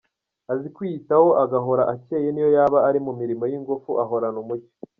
Azi kwiyitaho agahora acyeye niyo yaba ari mu mirimo y’ingufu ahorana umucyo.